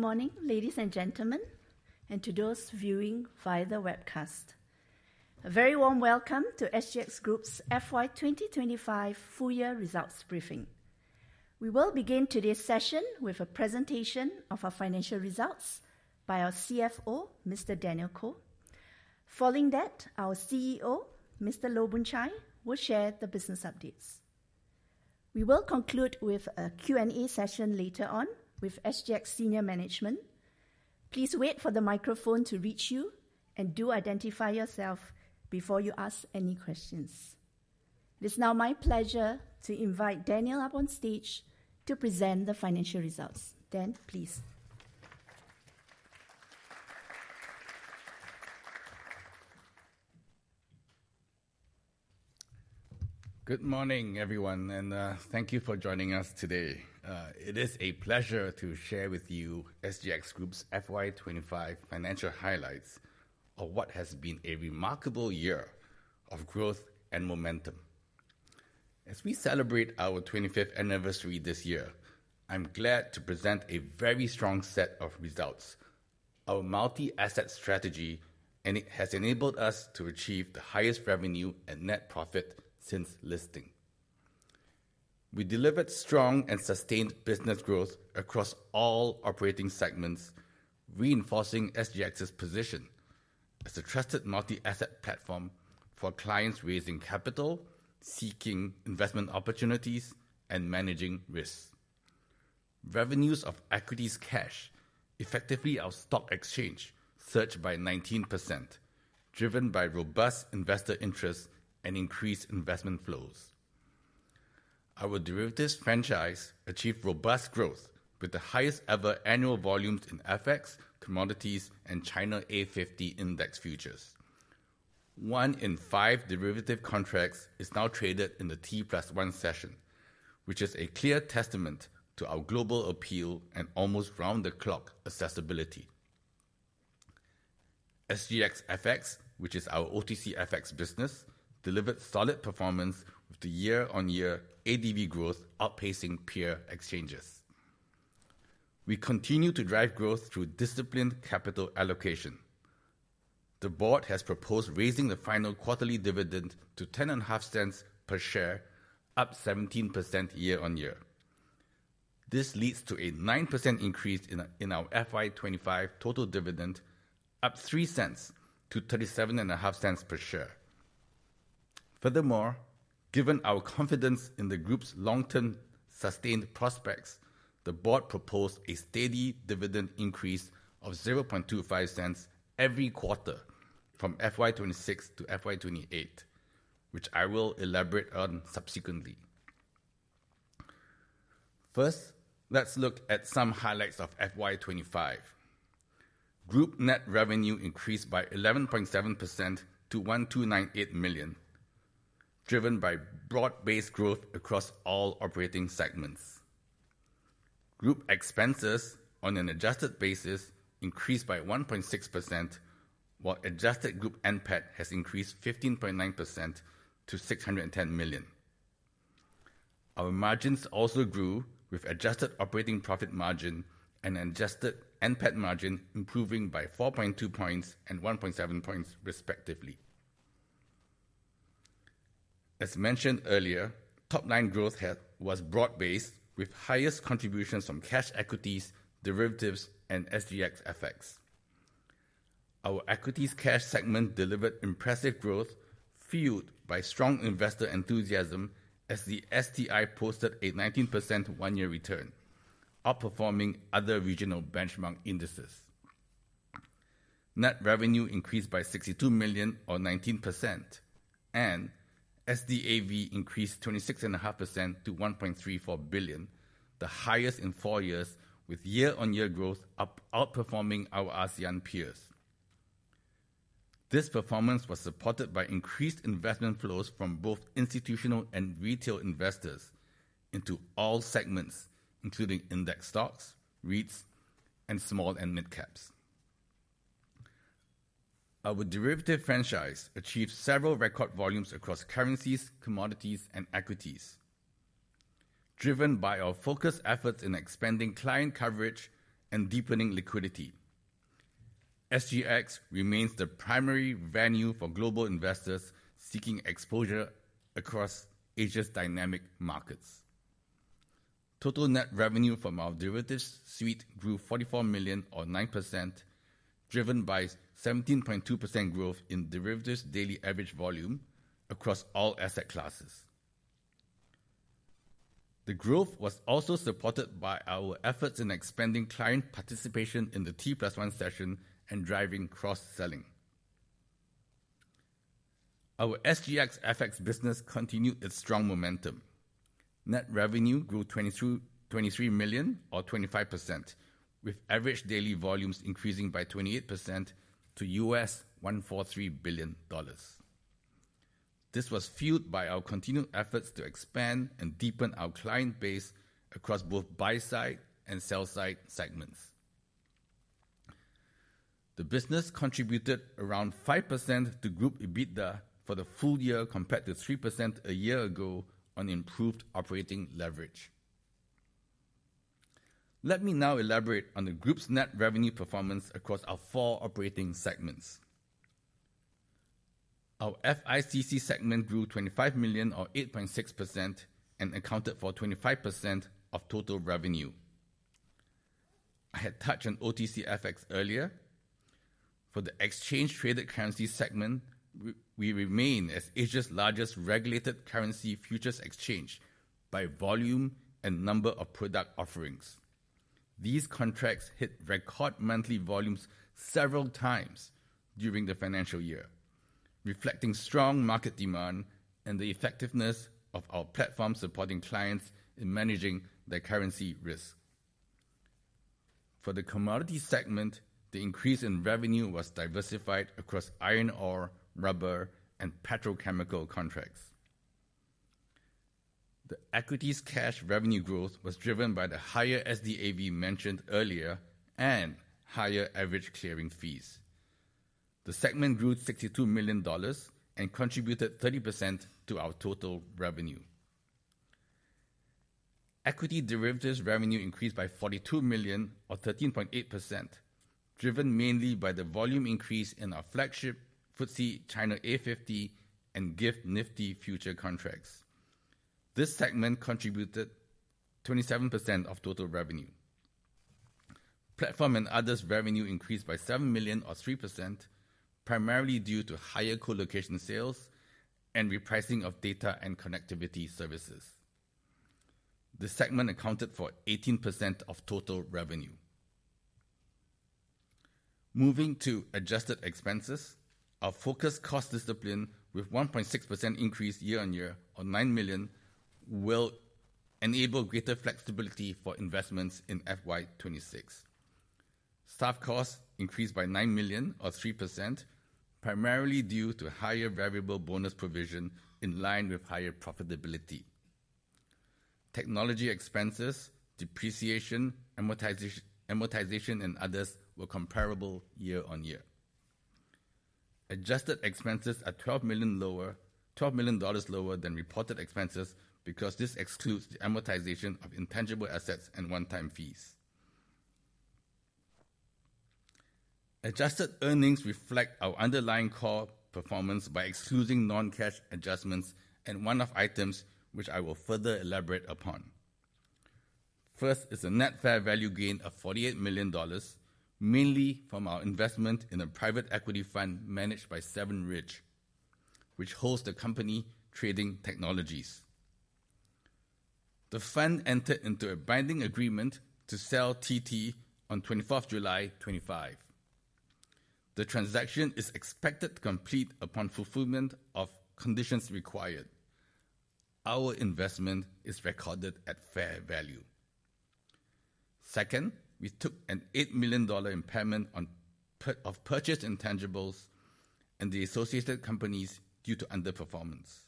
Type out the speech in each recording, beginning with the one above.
Good morning ladies and gentlemen, and to those viewing via the webcast, a very warm welcome to SGX Group's FY 2025 full year results briefing. We will begin today's session with a presentation of our financial results by our CFO, Mr. Daniel Koh. Following that, our CEO, Mr. Loh Boon Chye, will share the business updates. We will conclude with a Q&A session later on with SGX Senior Management. Please wait for the microphone to reach you and do identify yourself before you ask any questions. It is now my pleasure to invite Daniel up on stage to present the financial results. Dan, please. Good morning everyone and thank you for joining us today. It is a pleasure to share with you SGX Group's FY 2025 financial highlights of what has been a remarkable year of growth and momentum. As we celebrate our 25th anniversary this year, I'm glad to present a very strong set of results. Our multi-asset strategy has enabled us to achieve the highest revenue and net profit since listing. We delivered strong and sustained business growth across all operating segments, reinforcing SGX's position as a trusted multi-asset platform for clients raising capital, seeking investment opportunities, and managing risks. Revenues of equities cash effectively our stock exchange surged by 19%, driven by robust investor interest and increased investment flows. Our derivatives franchise achieved robust growth with the highest ever annual volumes in FX, commodities, and China A50 index futures. One in five derivative contracts is now traded T+1 session, which is a clear testament to our global appeal and almost round-the-clock accessibility. SGX FX, which is our OTC FX business, delivered solid performance with the year-on-year ADV growth outpacing peer exchanges. We continue to drive growth through disciplined capital allocation. The Board has proposed raising the final quarterly dividend to $0.105 per share, up 17% year-on-year. This leads to a 9% increase in our FY 2025 total dividend, up $0.03 to $0.375 per share. Furthermore, given our confidence in the group's long-term sustained prospects, the Board proposed a steady dividend increase of $0.0025 every quarter from FY 2026 to FY 2028, which I will elaborate on subsequently. First, let's look at some highlights of FY 2025. Group net revenue increased by 11.7% to $1,298 million, driven by broad-based growth across all operating segments. Group expenses on an adjusted basis increased by 1.6%, while adjusted group NPAT has increased 15.9% to $610 million. Our margins also grew, with adjusted operating profit margin and adjusted NPAT margin improving by 4.2 points and 1.7 points respectively. As mentioned earlier, top-line growth was broad-based with highest contributions from Cash Equities, Derivatives, and SGX FX. Our Equities Cash segment delivered impressive growth, fueled by strong investor enthusiasm as the STI posted a 19% one-year return, outperforming other regional benchmark indices. Net revenue increased by $62 million or 19%, and SDAV increased 26.5% to $1.34 billion, the highest in four years with year-on-year growth outperforming our ASEAN peers. This performance was supported by increased investment flows from both institutional and retail investors into all segments, including index stocks, REITs, and small and mid-caps. Our derivatives franchise achieved several record volumes across currencies, commodities, and equities, driven by our focused efforts in expanding client coverage and deepening liquidity. SGX remains the primary venue for global investors seeking exposure across Asia's dynamic markets. Total net revenue from our derivatives suite grew $44 million or 9%, driven by 17.2% growth in derivatives daily average volume across all asset classes. The growth was also supported by our efforts in expanding client participation T+1 session and driving cross selling. Our SGX FX business continued its strong momentum. Net revenue grew $23 million or 25%, with average daily volumes increasing by 28% to $143 billion. This was fueled by our continued efforts to expand and deepen our client base across both buy side and sell side segments. The business contributed around 5% to group EBITDA for the full year compared to 3% a year ago on improved operating leverage, let me now elaborate on the group's net revenue performance across our four operating segments. Our FICC segment grew $25 million or 8.6% and accounted for 25% of total revenue. I had touched on OTC FX earlier for the exchange traded currency segment. We remain as Asia's largest regulated currency futures exchange by volume and number of product offerings. These contracts hit record monthly volumes several times during the financial year, reflecting strong market demand and the effectiveness of our platform supporting clients in managing their currency risk. For the commodities segment, the increase in revenue was diversified across iron ore, rubber, and petrochemical contracts. The equities cash revenue growth was driven by the higher SDAV mentioned earlier and higher average clearing fees. The segment grew $62 million and contributed 30% to our total revenue. Equity derivatives revenue increased by $42 million or 13.8%, driven mainly by the volume increase in our flagship FTSE China A50 and GIFT Nifty contracts. This segment contributed 27% of total revenue, platform, and others. Revenue increased by $7 million or 3% primarily due to higher colocation sales and repricing of data and connectivity services. This segment accounted for 18% of total revenue. Moving to adjusted expenses, our focused cost discipline with 1.6% increase year on year or $9 million will enable greater flexibility for investments in FY 2026. Staff costs increased by $9 million or 3% primarily due to higher variable bonus provision in line with higher profitability. Technology expenses, depreciation, amortization, and others were comparable year-on-year. Adjusted expenses are $12 million lower than reported expenses because this excludes the amortization of intangible assets and one-time fees. Adjusted earnings reflect our underlying core performance by excluding non-cash adjustments and one-off items which I will further elaborate upon. First is a net fair value gain of $48 million mainly from our investment in a private equity fund managed by Seven Ridge which holds the company Trading Technologies. The fund entered into a binding agreement to sell TT on 24th July 2025. The transaction is expected to complete upon fulfillment of customers' conditions required. Our investment is recorded at fair value. Second, we took an $8 million impairment of purchased intangibles and the associated companies due to underperformance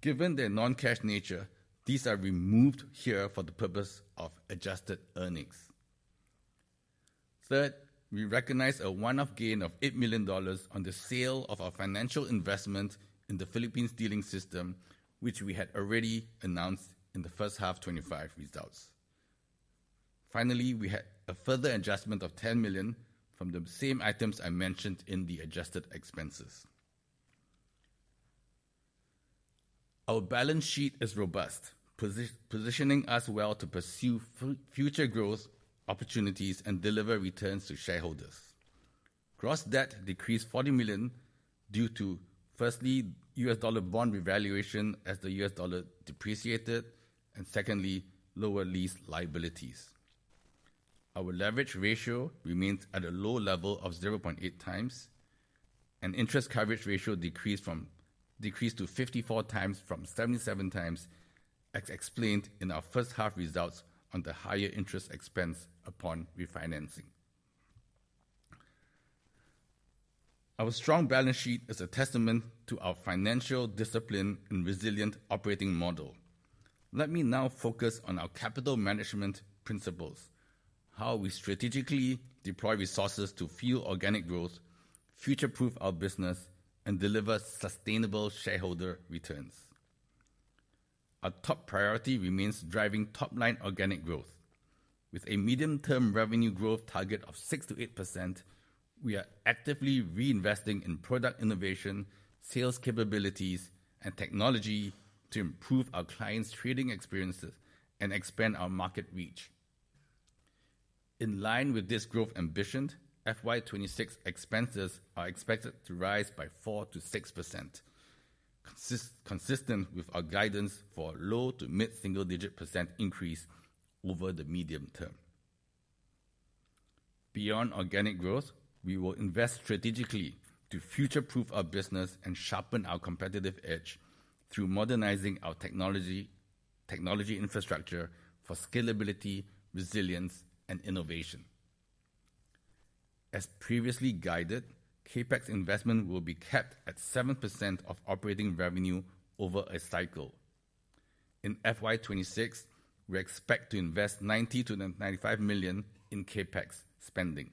given their non-cash nature. These are removed here for the purpose of adjusted earnings. Third, we recognize a one-off gain of $8 million on the sale of our financial investment in the Philippines Dealing System which we had already announced in the first half 2025 results. Finally, we had a further adjustment of $10 million from the same items I mentioned in the adjusted expenses. Our balance sheet is robust, positioning us well to pursue future growth opportunities and deliver returns to shareholders. Gross debt decreased $40 million due to firstly U.S. dollar bond revaluation as the U.S. dollar depreciated and secondly lower lease liabilities. Our leverage ratio remains at a low level of 0.8x and interest coverage ratio decreased to 54x from 77x as explained in our first half results on the higher interest expense upon refinancing. Our strong balance sheet is a testament to our financial discipline and resilient operating model. Let me now focus on our capital management principles, how we strategically deploy resources to fuel organic growth, future-proof our business, and deliver sustainable shareholder returns. Our top priority remains driving top line organic growth with a medium term revenue growth target of 6%-8%. We are actively reinvesting in product innovation, sales capabilities, and technology to improve our clients' trading experiences and expand our market reach. In line with this growth ambition, FY 2026 expenses are expected to rise by 4%-6%, consistent with our guidance for low to mid single digit percent increase over the medium term. Beyond organic growth, we will invest strategically to future proof our business and sharpen our competitive edge through modernizing our technology infrastructure for scalability, resilience, and innovation. As previously guided, CapEx investment will be capped at 7% of operating revenue over a cycle. In FY 2026, we expect to invest $90 million-$95 million in CapEx spending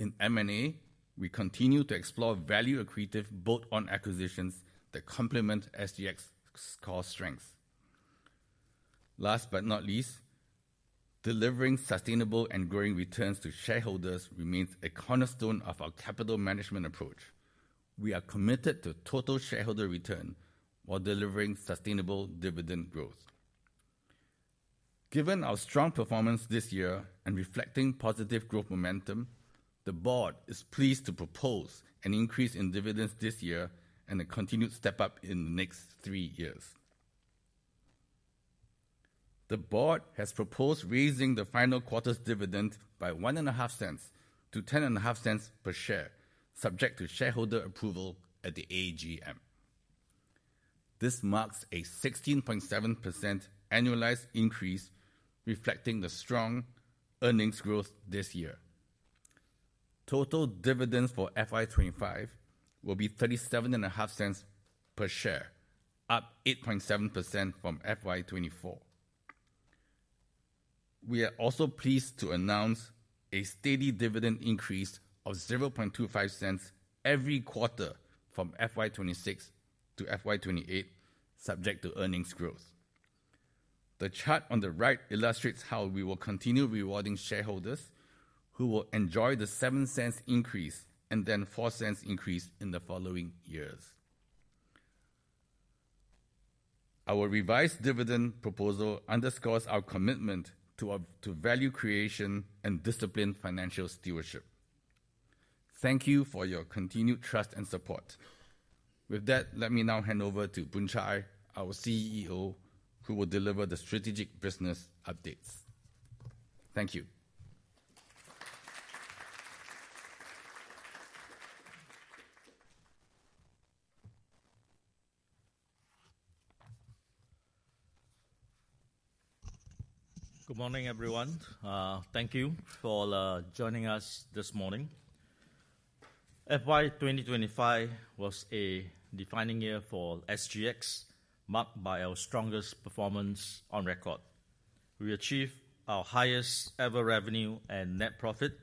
and M&A. We continue to explore value accretive bolt-on acquisitions that complement SGX Group's core strengths. Last but not least, delivering sustainable and growing returns to shareholders remains a cornerstone of our capital management approach. We are committed to total shareholder return while delivering sustainable dividend growth. Given our strong performance this year and reflecting positive growth momentum, the Board is pleased to propose an increase in dividends this year and a continued step up in the next three years. The Board has proposed raising the final quarter's dividend by $0.015 to $0.105 per share, subject to shareholder approval at the AGM. This marks a 16.7% annualized increase, reflecting the strong earnings growth this year. Total dividends for FY 2025 will be $0.375 per share, up 8.7% from FY 2024. We are also pleased to announce a steady dividend increase of $0.0025 every quarter from FY 2026 to FY 2028, subject to earnings growth. The chart on the right illustrates how we will continue rewarding shareholders who will enjoy the $0.07 increase and then $0.04 increase in the following years. Our revised dividend proposal underscores our commitment to value creation and disciplined financial stewardship. Thank you for your continued trust and support. With that, let me now hand over to Boon Chye, our CEO, who will deliver the strategic business updates. Thank you. Good morning everyone. Thank you for joining us this morning. FY 2025 was a defining year for SGX Group, marked by our strongest performance on record. We achieved our highest ever revenue and net profit.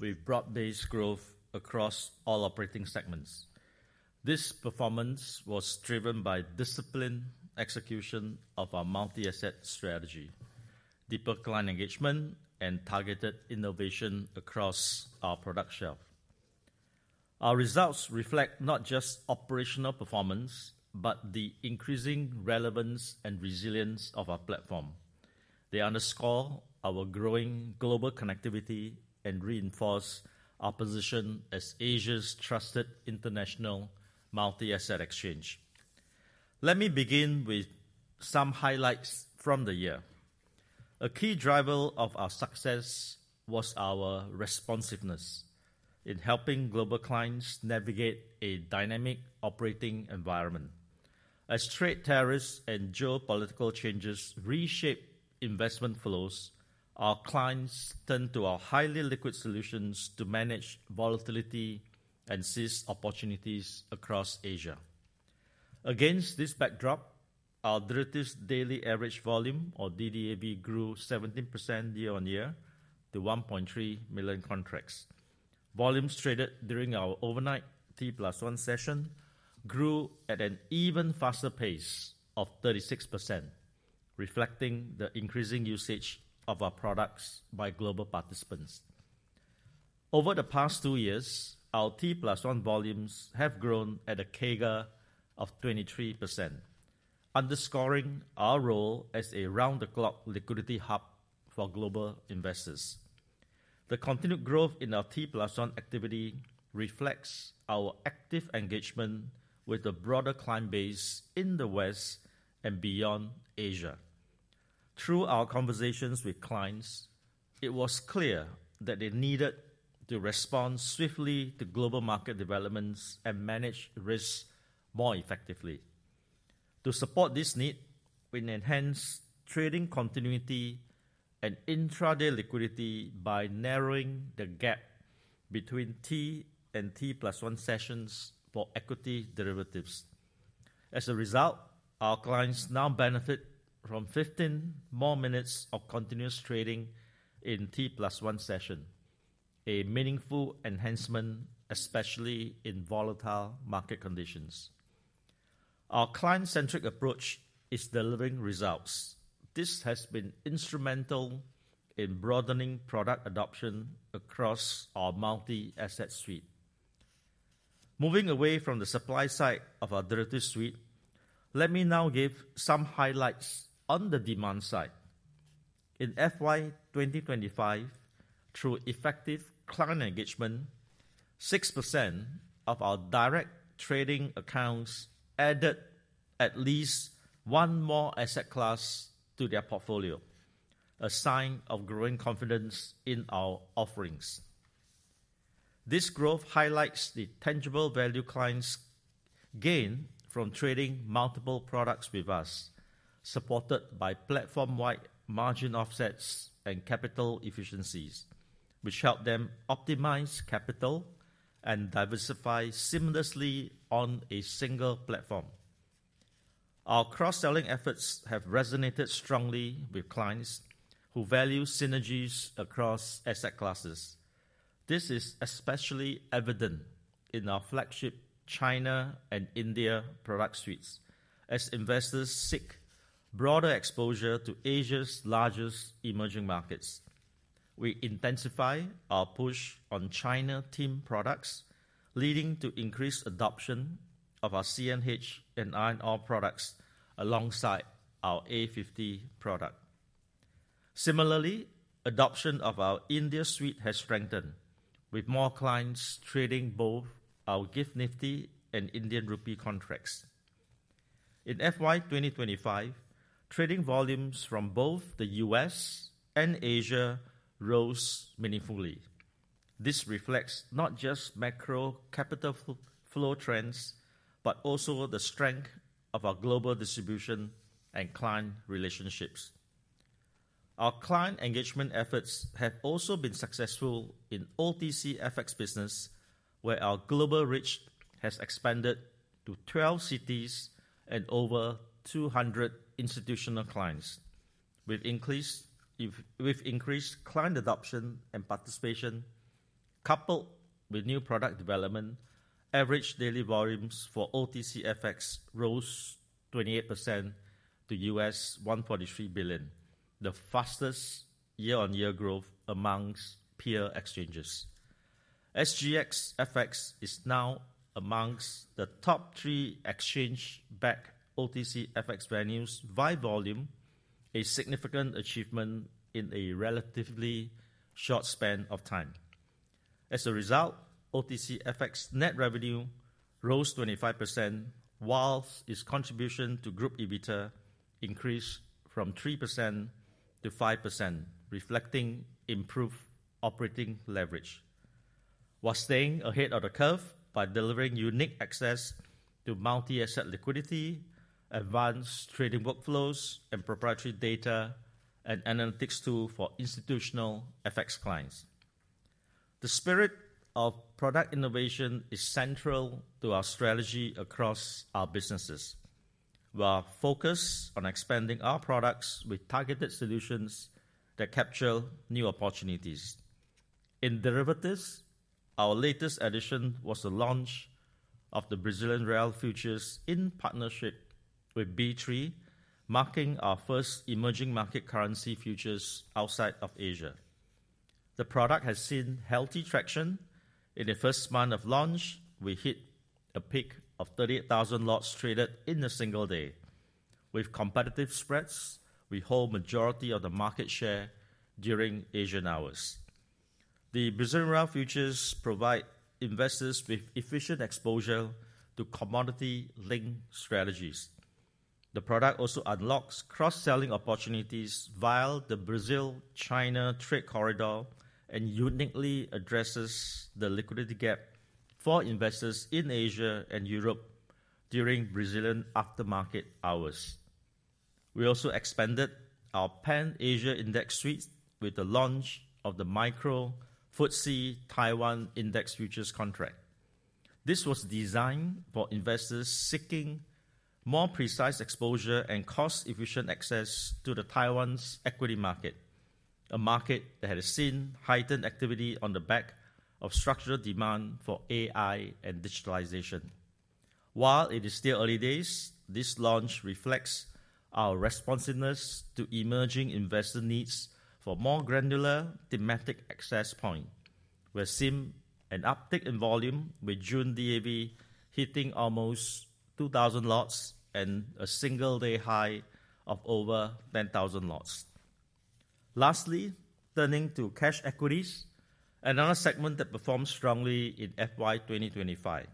We saw broad based growth across all operating segments. This performance was driven by disciplined execution of our multi-asset strategy, deeper client engagement, and targeted innovation across our product shelf. Our results reflect not just operational performance but the increasing relevance and resilience of our platform. They underscore our growing global connectivity and reinforce our position as Asia's trusted international Multi-Asset Exchange. Let me begin with some highlights from the year. A key driver of our success was our responsiveness in helping global clients navigate a dynamic operating environment. As trade tariffs and geopolitical changes reshape investment flows, our clients turn to our highly liquid solutions to manage volatility and seize opportunities across Asia. Against this backdrop, our derivatives daily average volume, or DDAV, grew 17% year-on-year to 1.3 million contracts. Volumes traded during T+1 session grew at an even faster pace of 36%, reflecting the increasing usage of our products by global participants. Over the past two T+1 volumes have grown at a CAGR of 23%, underscoring our role as a round the clock liquidity hub for global investors. The continued growth T+1 activity reflects our active engagement with the broader client base in the West and beyond Asia. Through our conversations with clients, it was clear that they needed to respond swiftly to global market developments and manage risks more effectively. To support this need, we enhanced trading continuity and intraday liquidity by narrowing the T+1 sessions for equity derivatives. As a result, our clients now benefit from 15 more minutes of continuous T+1 session, a meaningful enhancement especially in volatile market conditions. Our client centric approach is delivering results. This has been instrumental in broadening product adoption across our multi asset suite. Moving away from the supply side of our derivative suite, let me now give some highlights on the demand side. In FY 2025, through effective client engagement, 6% of our direct trading accounts added at least one more asset class to their portfolio, a sign of growing confidence in our offerings. This growth highlights the tangible value clients gained from trading multiple products with us, supported by platform-wide margin offsets and capital efficiencies, which help them optimize capital and diversify seamlessly on a single platform. Our cross-selling efforts have resonated strongly with clients who value synergies across asset classes. This is especially evident in our flagship China and India product suites, as investors seek broader exposure to Asia's largest emerging markets. We intensified our push on China-themed products, leading to increased adoption of our CNH and iron ore products alongside our A50 product. Similarly, adoption of our India suite has strengthened, with more clients trading both our GIFT Nifty and Indian rupee contracts. In FY 2025, trading volumes from both the U.S. and Asia rose meaningfully. This reflects not just macro capital flow trends but also the strength of our global distribution and client relationships. Our client engagement efforts have also been successful in the OTC FX business, where our global reach has expanded to 12 cities and over 200 institutional clients. With increased client adoption and participation, coupled with new product development, average daily volumes for OTC FX rose 28% to $143 billion, the fastest year-on-year growth amongst peer exchanges. SGX FX is now amongst the top three exchange-backed OTC FX venues, a significant achievement in a relatively short span of time. As a result, OTC FX net revenue rose 25%, whilst its contribution to Group EBITDA increased from 3% to 5%, reflecting improved operating leverage while staying ahead of the curve by delivering unique access to multi-asset liquidity, advanced trading workflows, and proprietary data and analytics tools for institutional FX clients. The spirit of product innovation is central to our strategy. Across our businesses, we are focused on expanding our products with targeted solutions that capture new opportunities in derivatives. Our latest addition was the launch of the Brazilian Real Futures in partnership with B3, marking our first emerging market currency futures outside of Asia. The product has seen healthy traction. In the first month of launch, we hit a peak of 38,000 lots traded in a single day. With competitive spreads, we hold the majority of the market share during Asian hours. The Brazilian Real Futures provide investors with efficient exposure to commodity-linked strategies. The product also unlocks cross-selling opportunities via the Brazil-China trade corridor and uniquely addresses the liquidity gap for investors in Asia and Europe during Brazilian aftermarket hours. We also expanded our Pan Asia Index suite with the launch of the Micro FTSE Taiwan Index Futures contract. This was designed for investors seeking more precise exposure and cost-efficient access to Taiwan's equity market, a market that has seen heightened activity on the back of structural demand for AI and digitalization. While it is still early days, this launch reflects our responsiveness to emerging investor needs for more granular thematic access points. We have seen an uptick in volume with June average daily volumes hitting almost 2,000 lots and a single-day high of over 10,000 lots. Lastly, turning to cash equities, another segment that performed strongly in FY 2025,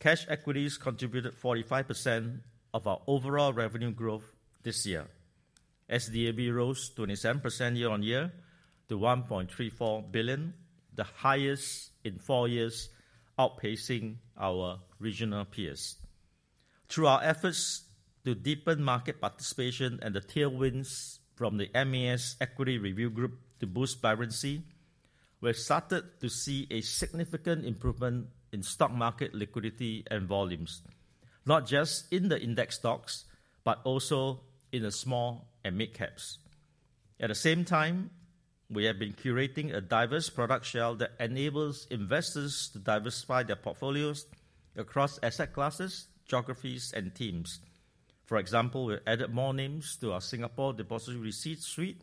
cash equities contributed 45% of our overall revenue growth this year. SDAV rose 27% year-on-year to $1.34 billion, the highest in four years, outpacing our regional peers. Through our efforts to deepen market participation and the tailwinds from the MAS Equity Market Review Group to boost vibrancy, we started to see a significant improvement in stock market liquidity and volumes not just in the index stocks but also in the small and mid-caps. At the same time, we have been curating a diverse product shelf that enables investors to diversify their portfolios across asset classes, geographies, and themes. For example, we added more names to our Singapore Depository Receipts suite,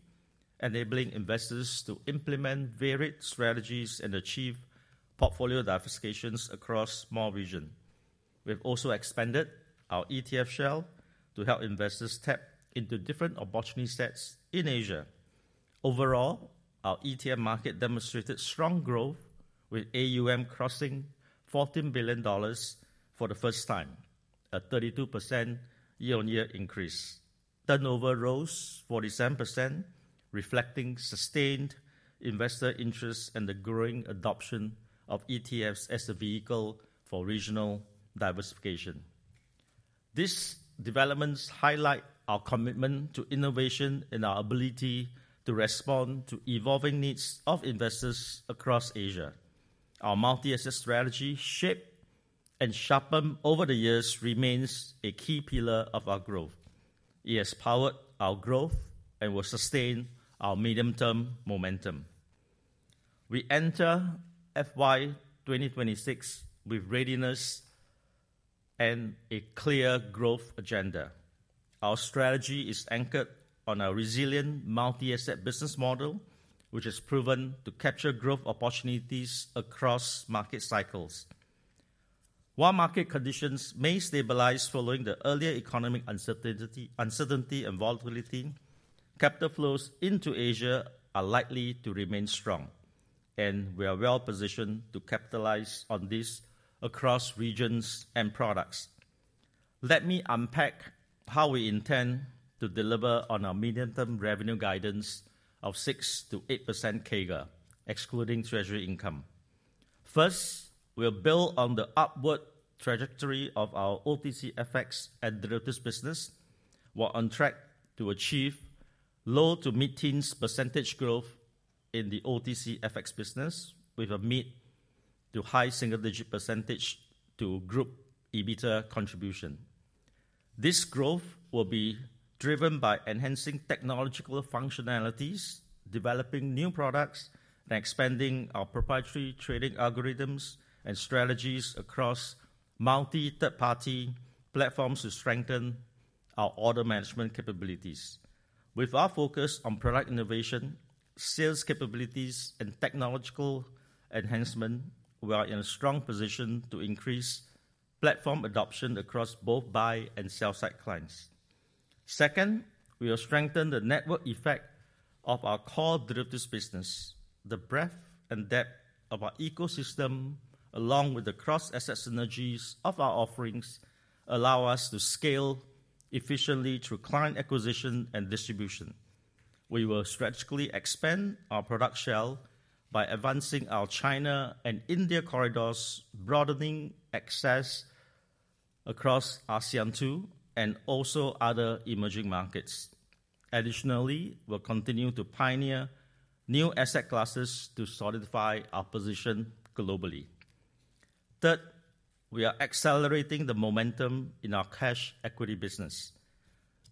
enabling investors to implement varied strategies and achieve portfolio diversification across the region. We've also expanded our ETF suite to help investors tap into different opportunity sets in Asia. Overall, our ETF market demonstrated strong growth with AUM crossing $14 billion for the first time, a 32% year-on-year increase. Turnover rose 47%, reflecting sustained investor interest and the growing adoption of ETFs as the vehicle for regional diversification. These developments highlight our commitment to innovation and our ability to respond to evolving needs of investors across Asia. Our multi-asset strategy, shaped and sharpened over the years, remains a key pillar of our growth. It has powered our growth and will sustain our medium-term momentum. We enter FY 2026 with readiness and a clear growth agenda. Our strategy is anchored on our resilient multi-asset business model, which has proven to capture growth opportunities across market cycles. While market conditions may stabilize following the earlier economic uncertainty and volatility, capital flows into Asia are likely to remain strong, and we are well positioned to capitalize on this across regions and products. Let me unpack how we intend to deliver on our medium-term revenue guidance of 6%-8% CAGR, excluding treasury income. First, we'll build on the upward trajectory of our OTC FX and derivatives business while on track to achieve low to mid-teens percentage growth in the OTC FX business, with a middle to high single-digit percentage to group EBITDA contribution. This growth will be driven by enhancing technological functionalities, developing new products, and expanding our proprietary trading algorithms and strategies across multi third-party platforms to strengthen our order management capabilities. With our focus on product innovation, sales capabilities, and technological enhancement, we are in a strong position to increase platform adoption across both buy and sell side clients. Second, we will strengthen the network effect of our core derivatives business. The breadth and depth of our ecosystem, along with the cross-asset synergies of our offerings, allow us to scale efficiently through client acquisition and distribution. We will strategically expand our product shelf by advancing our China and India corridors, broadening access across ASEAN 2 and also other emerging markets. Additionally, we'll continue to pioneer new asset classes to solidify our position globally. Third, we are accelerating the momentum in our cash equity business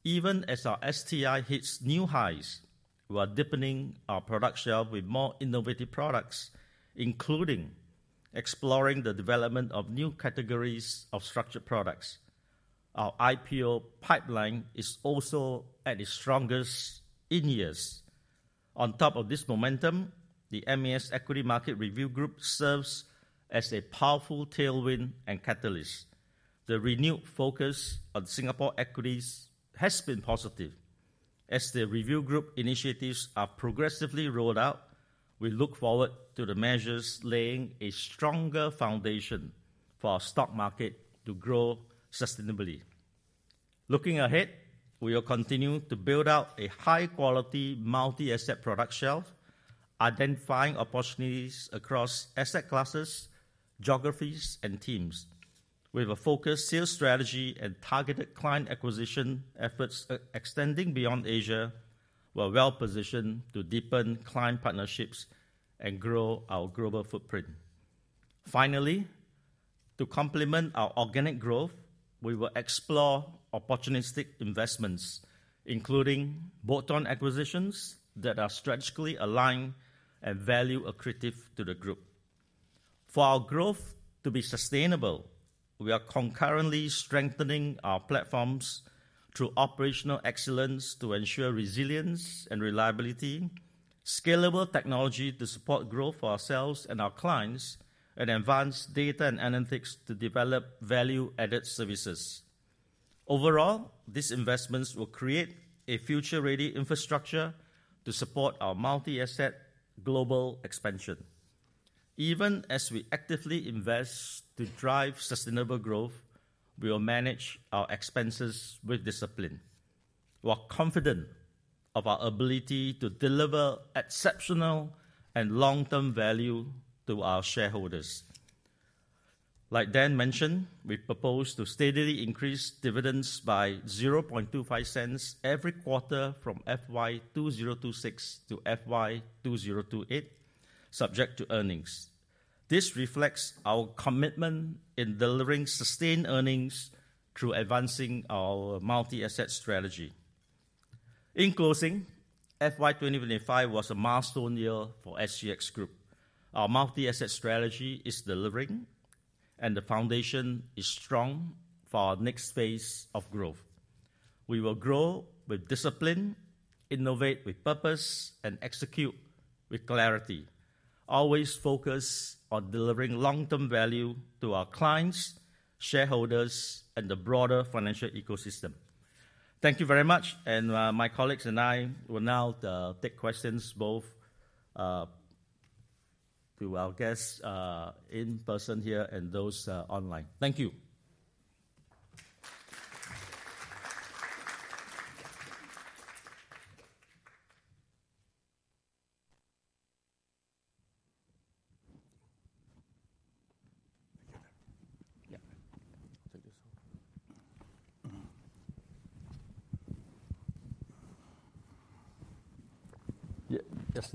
even as our STI hits new highs. We are deepening our product shelf with more innovative products, including exploring the development of new categories of structured products. Our IPO pipeline is also at its strongest in years. On top of this momentum, the MAS Equity Market Review Group serves as a powerful tailwind and catalyst. The renewed focus on Singapore equities has been positive. As the review group initiatives are progressively rolled out, we look forward to the measures laying a stronger foundation for our stock market to grow sustainably. Looking ahead, we will continue to build out a high-quality multi-asset product shelf, identifying opportunities across asset classes, geographies, and teams. With a focused sales strategy and targeted client acquisition efforts extending beyond Asia, we are well positioned to deepen client partnerships and grow our global footprint. Finally, to complement our organic growth, we will explore opportunistic investments including bolt-on acquisitions that are strategically aligned with and value accretive to the group. For our growth to be sustainable, we are concurrently strengthening our platforms through operational excellence to ensure resilience and reliability, scalable technology to support growth for ourselves and our clients, and advanced data and analytics to develop value-added services. Overall, these investments will create a future-ready infrastructure to support our multi-asset global expansion. Even as we actively invest to drive sustainable growth, we will manage our expenses with discipline. We are confident of our ability to deliver exceptional and long-term value to our shareholders. Like Dan mentioned, we propose to steadily increase dividends by $0.0025 every quarter from FY 2020 to FY 2028 subject to earnings. This reflects our commitment in delivering sustained earnings through advancing our multi-asset strategy. In closing, FY 2025 was a milestone year for SGX Group. Our multi-asset strategy is delivering and the foundation is strong for the next phase of growth. We will grow with discipline, innovate with purpose, and execute with clarity. Always focus on delivering long-term value to our clients, shareholders, and the broader financial ecosystem. Thank you very much. My colleagues and I will now take questions both to our guests in person here and those online. Thank you.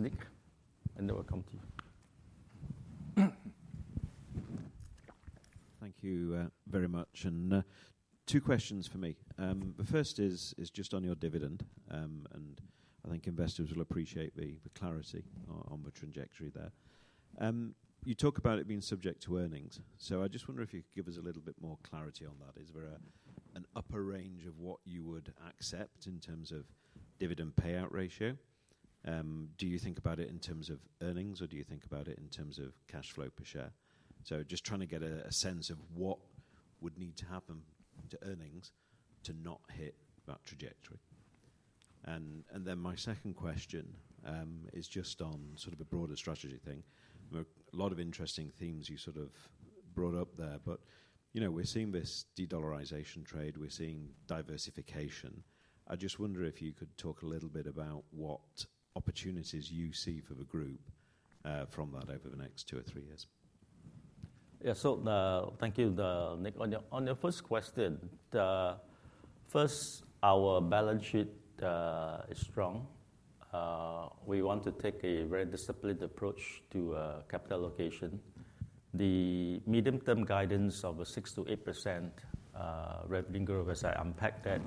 Yes, Nick. Thank you very much. Two questions for me. The first is just on your dividend, and I think investors will appreciate the clarity on the trajectory there. You talk about it being subject to earnings, I just wonder if you could give us a little bit more clarity on that. Is there an upper range of what you would accept in terms of dividend payout ratio? Do you think about it in terms of earnings, or do you think about in terms of cash flow per share? Just trying to get a sense of what would need to happen to earnings do not hit that trajectory. My second question is just on sort of a broader strategy thing. A lot of interesting themes you sort brought up there. We're seeing this de-dollarization trade. We're seeing diversification. I just wonder if you could talk a little bit about what opportunities you see for the group from that over the next two or three years. Thank you, Nick. On your first question, first, our balance sheet is strong. We want to take a very disciplined approach to capital allocation. The medium term guidance of a 6%-8% revenue growth, as I unpack that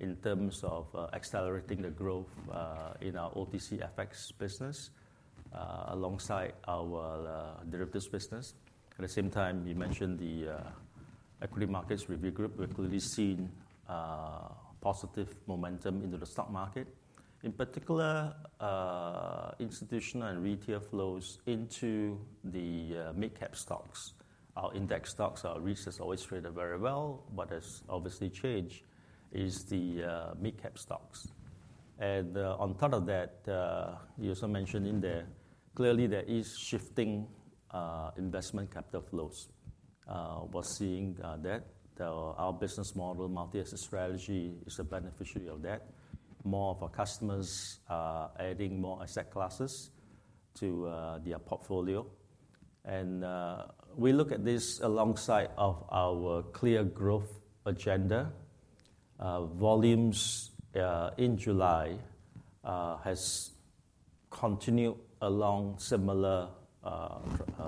in terms of accelerating the growth in our OTC FX business alongside our derivatives business. At the same time, you mentioned the Equity Market Review Group. We've clearly seen positive momentum into the stock market, in particular institutional and retail flows into the mid-cap stocks. Our index stocks, our REITs, have always traded very well. What has obviously changed is the mid-cap stocks. On top of that, you also mentioned in there, clearly there is shifting investment capital flows. We're seeing that our business model, multi asset strategy, is a beneficiary of that. More of our customers are adding more asset classes to their portfolio. We look at this alongside our clear growth agenda. Volumes in July have continued along a similar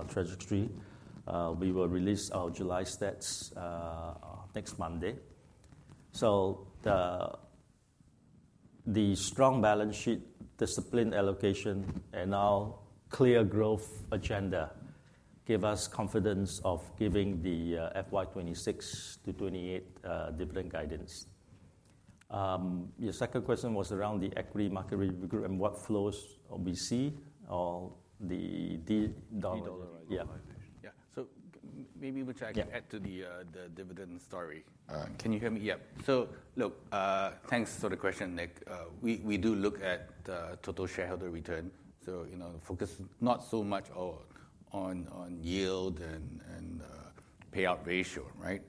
trajectory. We will release our July stats next Monday. The strong balance sheet, disciplined allocation, and our clear growth agenda gave us confidence of giving the FY 2026 to 2028 dividend guidance. Your second question was around the equity market review and what flows we see on the dollar. Yeah, maybe I can add to the dividend story. Can you hear me? Yeah. Thanks for the question, Nick. We do look at the total shareholder return, so focus not so much on yield and payout ratio. Right.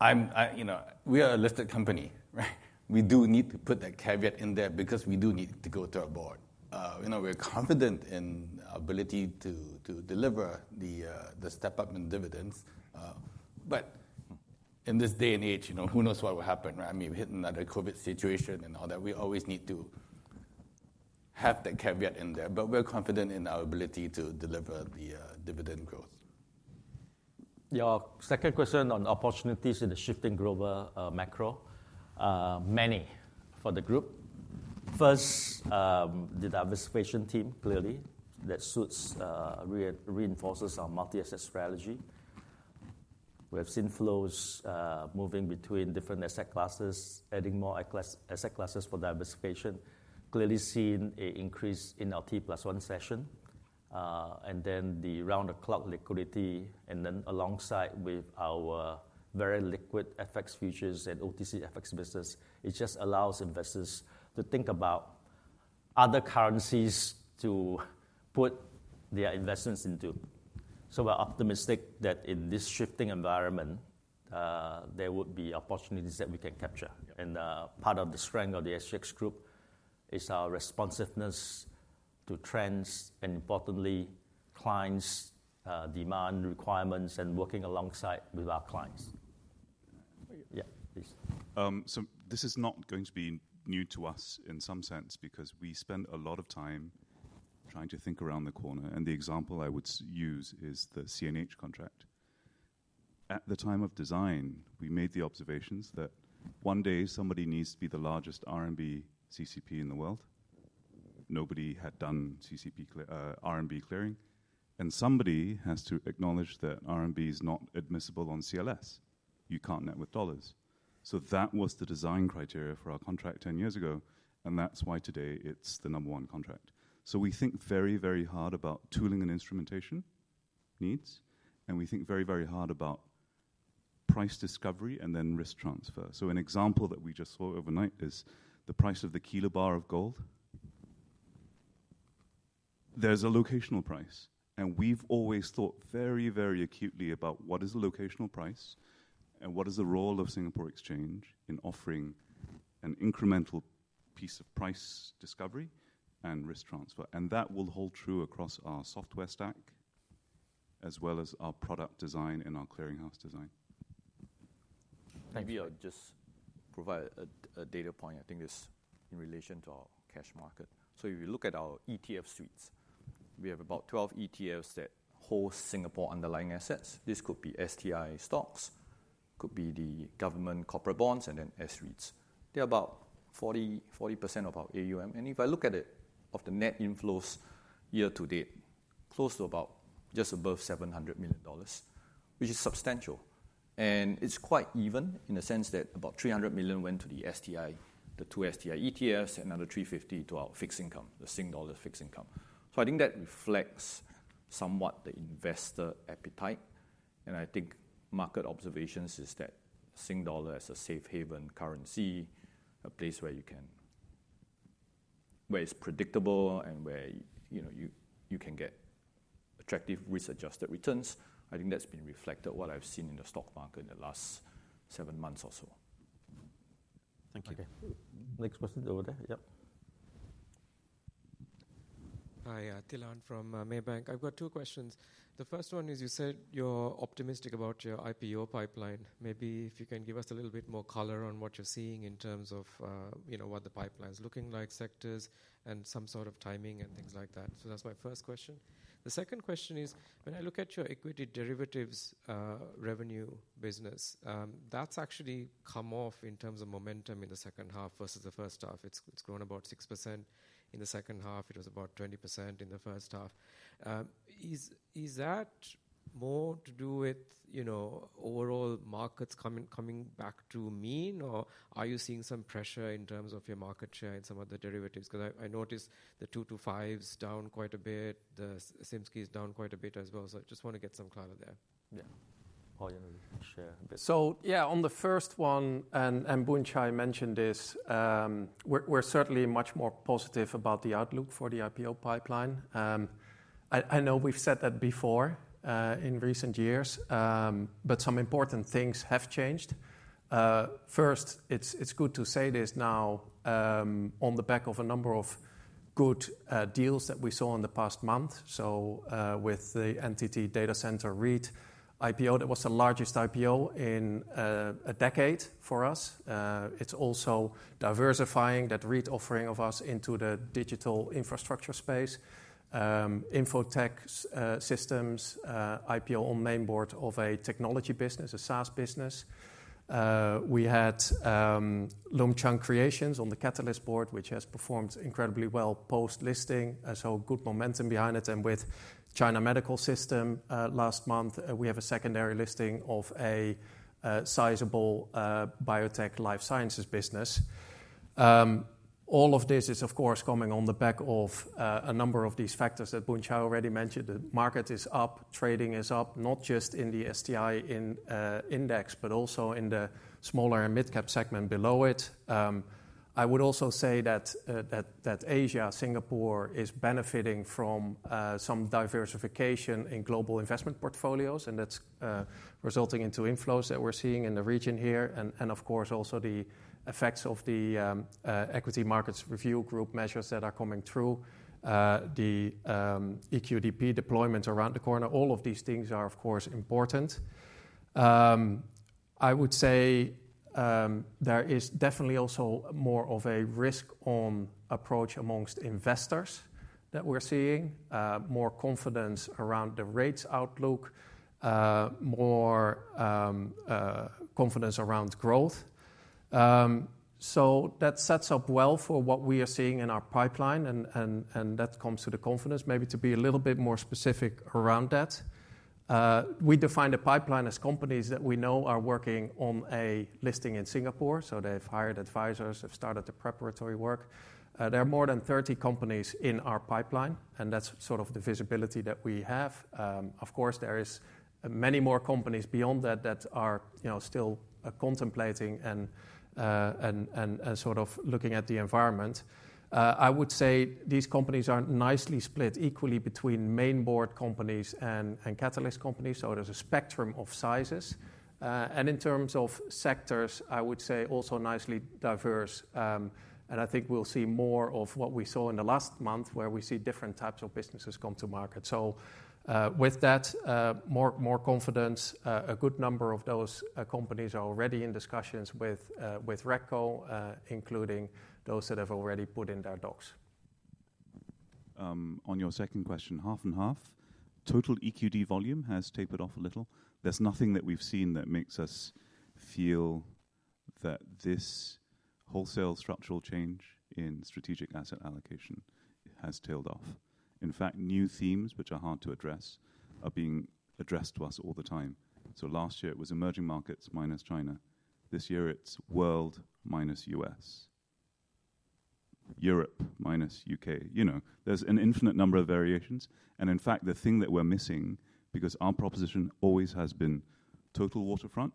We are a listed company. Right. We do need to put that caveat in there because we do need to go to a board. We're confident in ability to deliver the step up in dividends. In this day and age, who knows what will happen. I mean we hit another COVID situation and all that. We always need to have that caveat in there. We're confident in our ability to deliver the dividend growth. Your second question on opportunities in the shifting global macro, many for the group. First, the diversification theme. Clearly, that suits and reinforces our multi-asset strategy. We have seen flows moving between different asset classes, adding more asset classes for diversification. We have clearly seen an increase T+1 session and then the round-the-clock liquidity. Alongside with our very liquid FX futures and OTC FX business, it just allows investors to think about other currencies to put their investments into. We're optimistic that in this shifting environment there would be opportunities that we can capture. Part of the strength of the SGX Group is our responsiveness to trends and, importantly, clients' demand requirements and working alongside with our clients. Yeah, please. This is not going to be new to us in some sense because we spend a lot of time trying to think around the corner. The example I would use is the CNH contract. At the time of design, we made the observations that one day somebody needs to be the largest RMB CCP in the world. Nobody had done CCP clear RMB clearing, and somebody has to acknowledge that RMB is not admissible on CLS. You can't net with dollars. That was the design criteria for our contract 10 years ago, and that's why today it's the number one contract. We think very, very hard about tooling and instrumentation needs, and we think very, very hard about price discovery and then risk transfer. An example that we just saw overnight is the price of the kilo bar of gold. There's a locational price, and we've always thought very, very acutely about what is the locational price and what is the role of Singapore Exchange in offering an incremental piece of price discovery and risk transfer. That will hold true across our software stack as well as our product design and our clearinghouse design. Maybe I'll just provide a data point. I think this is in relation to our cash market. If you look at our ETF suites, we have about 12 ETFs that hold Singapore underlying assets. This could be STI stocks, could be the government corporate bonds, and then S-REITs. They're about 40% of our AUM. If I look at it, of the net inflows year-to-date, close to just above $700 million, which is substantial, and it's quite even in the sense that about $300 million went to the STI, the two STI ETFs, another $350 million to our fixed income, the Singapore fixed income. I think that reflects somewhat the investor appetite, and I think market observations are that single as a safe haven currency, a place where it's predictable and where you know you can get attractive risk-adjusted returns. I think that's been reflected in what I've seen in the stock market in the last seven months or so. Thank you. Next question over there. Hi, Tilan from Maybank. I've got two questions. The first one is you said you're optimistic about your IPO pipeline. Maybe if you can give us a little bit more color on what you're seeing in terms of, you know, what the pipeline is looking like, sectors and some sort of timing and things like that. That's my first question. The second question is when I look at your equity derivatives revenue business, that's actually come off in terms of momentum in the second half versus the first half. It's grown about 6% in the second half. It was about 20% in the first half. Is that more to do with, you know, overall markets coming back to mean or are you seeing some pressure in terms of your market share and some of the derivatives? Because I noticed the 225 is down quite a bit. The SIMSCI is down quite a bit as well. I just want to get some color there. On the first one, and Boon Chye mentioned this, we're certainly much more positive about the outlook for the IPO pipeline. I know we've said that before in recent years, but some important things have changed. First, it's good to say this now on the back of a number of good deals that we saw in the past month. With the NTT DC REIT IPO, that was the largest IPO in a decade for us. It's also diversifying that REIT offering of ours into the digital infrastructure space. Infotech Systems IPO on Mainboard of a technology business, a SaaS business. We had Lum Chang Creations on the Catalist board, which has performed incredibly well post listing. Good momentum behind it. With China Medical System last month, we have a secondary listing of a sizable biotech life sciences business. All of this is, of course, coming on the back of a number of these factors that Boon Chye already mentioned. The market is up, trading is up not just in the STI index but also in the smaller and mid cap segment below it. I would also say that Asia, Singapore, is benefiting from some diversification in global investment portfolios, and that's resulting in inflows that we're seeing in the region here. Of course, also the effects of the MAS Equity Market Review Group measures that are coming through, the EQDP deployment around the corner. All of these things are, of course, important. I would say there is definitely also more of a risk-on approach amongst investors. We're seeing more confidence around the rates outlook, more confidence around growth. That sets up well for what we are seeing in our pipeline. That comes to the confidence, maybe to be a little bit more specific around that. We define the pipeline as companies that we know are working on a listing in Singapore. They've hired advisors, have started the preparatory work. There are more than 30 companies in our pipeline, and that's the sort of visibility that we have. Of course, there are many more companies beyond that that are still contemplating and sort of looking at the environment. I would say these companies are nicely split equally between mainboard companies and Catalist companies, so there's a spectrum of sizes. In terms of sectors, I would say also nicely diverse. I think we'll see more of what we saw in the last month, where we see different types of businesses come to market. With that more confidence, a good number of those companies are already in discussions with Regco, including those that have already put in their docs. On your second question, half and half total equity derivatives volume has tapered off a little. There's nothing that we've seen that makes us feel that this wholesale structural change in strategic asset allocation has tailed off. In fact, new themes which are hard to address are being addressed to us all the time. Last year it was emerging markets minus China. This year it's world minus U.S., Europe minus U.K. There's an infinite number of variations and in fact the thing that we're missing because our proposition always has been total waterfront,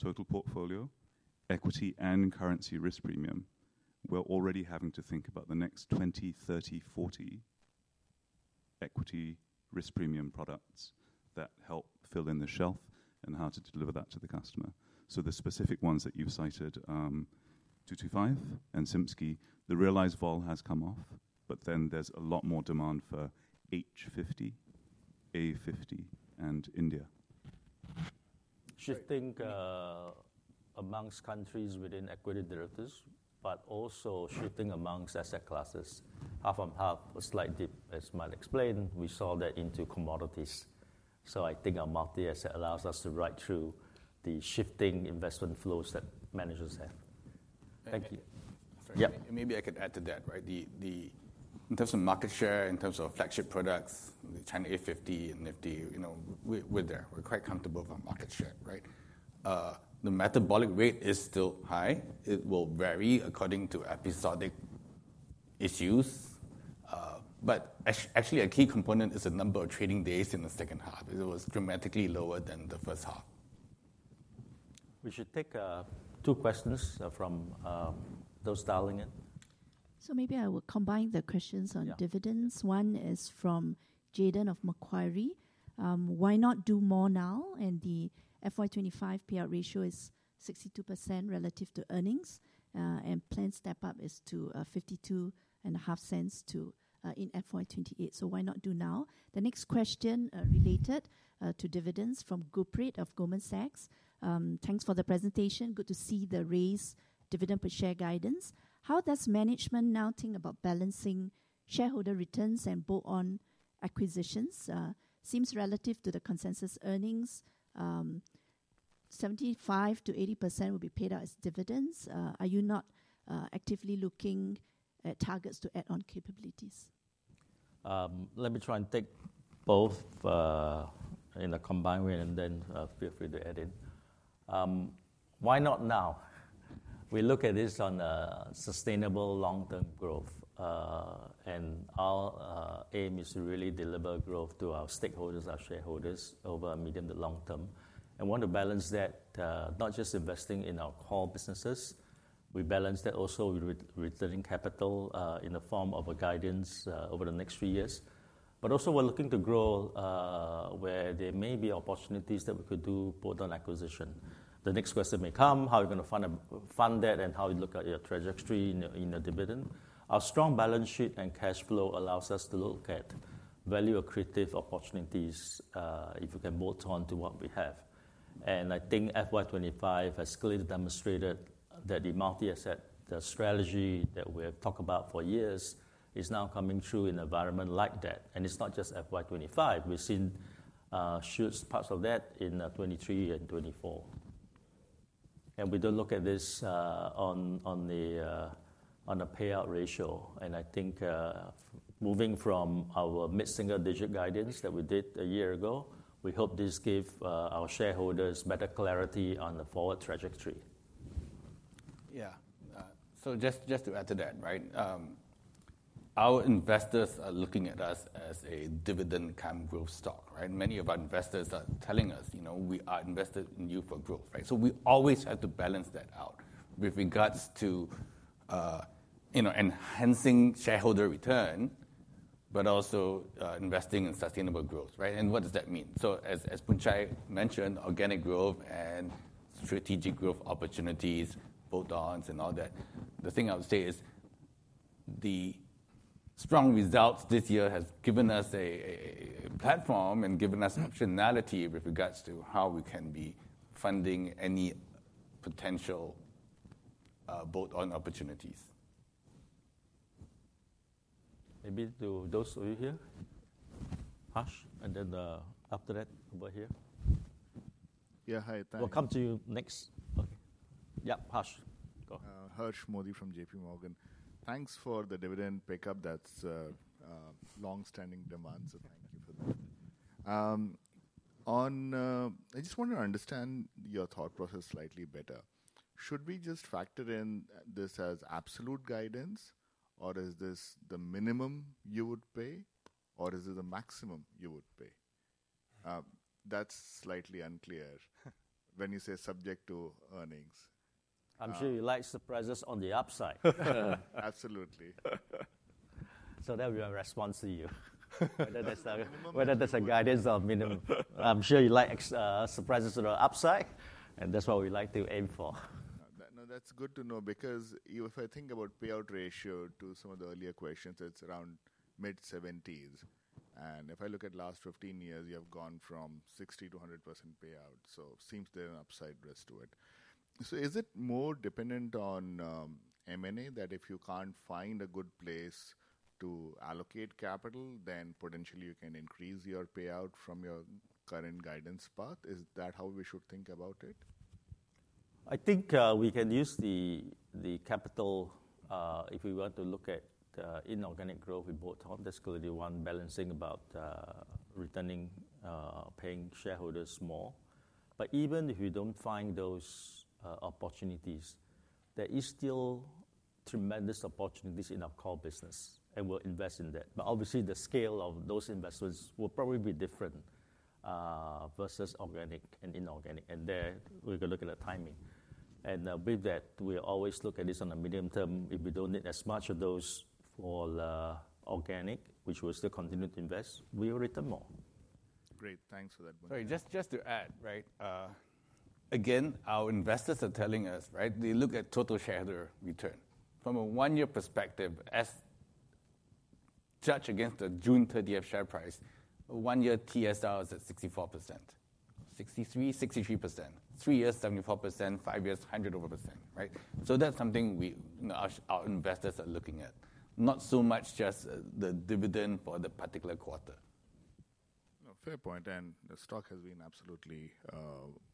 total portfolio equity and currency risk premium. We're already having to think about the next 20, 30, 40 equity risk premium products that help fill in the shelf and how to deliver that to the customer The specific ones that you've cited, 225 and SIMSCI, the realized volume has come off, but then there's a lot more demand for H50, A50 and India should. Shifting amongst countries within equity derivatives but also shifting amongst asset classes, half-on-half, a slight dip. As Michael explained, we saw that into commodities. I think our multi asset allows us to ride through the shifting investment flows that managers have. Thank you. Yeah, maybe I could add to that. Right. In terms of market share, in terms of flagship products, the China A50 and Nifty, we're there. We're quite comfortable with our market share. Right. The metabolic rate is still high. It will vary according to episodic issues, but actually a key component is the number of trading days. In the second half, it was dramatically lower than the first half. We should take two questions from those dialing in. Maybe I will combine the questions on dividends. One is from Jayden of Macquarie. Why not do more now? The FY 2025 payout ratio is 62% relative to earnings and planned step up is to $0.525 in FY 2028. Why not do now? The next question related to dividends from Gurprit of Goldman Sachs. Thanks for the presentation, good to see the raised dividend per share guidance. How does management now think about balancing shareholder returns and bolt-on acquisitions? Seems relative to the consensus earnings 75%-80% will be paid out as dividends. Are you not actively looking at targets to add on capabilities? Let me try and take both in a combined way and then feel free to add in. Why not now? We look at this on sustainable long-term growth and our aim is to really deliver growth to our stakeholders, our shareholders over a medium to long-term and want to balance that. Not just investing in our core businesses, we balance that also with returning capital in the form of a guidance over the next three years. We're looking to grow where there may be opportunities that we could do both on acquisition. The next question may come how are you going to fund that and how you look at your trajectory in your dividend. Our strong balance sheet and cash flow allows us to look at value accretive opportunities if we can bolt on to what we have. I think FY 2025 has clearly demonstrated that the multi asset strategy that we have talked about for years is now coming true in an environment like that. It's not just FY 2025. We've seen shoots parts of that in 2023 and 2024 and we do look at this on a payout ratio. I think moving from our mid-single digit guidance that we did a year ago, we hope this gave our shareholders better clarity on the forward trajectory. Yeah. Just to add to that, our investors are looking at us as a dividend camp growth stock. Many of our investors are telling us we are invested in you for growth. We always have to balance that out with regards to enhancing shareholder return but also investing in sustainable growth. What does that mean? As Boon Chye mentioned, organic growth and strategic growth opportunities, bolt-ons and all that. The thing I would say is the strong results this year have given us a platform and given us optionality with regards to how we can be funding any potential bolt-on opportunities. Maybe to those of you here. And then after that over here. We'll come to you next. Okay. Yeah, go. Harsh Modi from JPMorgan. Thanks for the dividend pickup. That's long standing demand. Thank you for that. I just want to understand your thought process slightly better. Should we just factor in this as absolute guidance, or is this the minimum you would pay, or is it the maximum you would pay? That's slightly unclear when you say subject to earnings. I'm sure you like surprises on the upside? Absolutely. That will be a response to you whether there's a guidance or minimum. I'm sure you like surprises to the upside, and that's what we like to aim for. That's good to know because if I think about payout ratio to some of the earlier questions, it's around mid-70% and if I look at the last 15 years you have gone from 60% to 100% payout. Is there an upside risk to it? Is it more dependent on M&A that if you can't find a good place to allocate capital, then potentially you can increase your payout from your current guidance path? Is that how we should think about it? I think we can use the capital if we were to look at inorganic growth in both, that's going to be one balancing about returning, paying shareholders more. Even if you don't find those opportunities, there are still tremendous opportunities in our core business and we'll invest in that. Obviously, the scale of those investments will probably be different versus organic and inorganic. There we go. Look at the timing. With that, we always look at this on the medium term. If we don't need as much of those for organic, which we'll still continue to invest, we will return more. Great, thanks for that. Just to add, our investors are telling us they look at total shareholder return from a one year perspective. As judged against the June 30 share price, one year TSR is at 64%, 63%, 63% three years, 74% five years, 100% over percent. Right. That's something our investors are looking at, not so much just the dividend for the particular quarter. Fair point. The stock has been absolutely